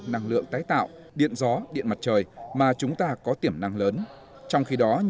năng lượng tái tạo điện gió điện mặt trời mà chúng ta có tiểm năng lớn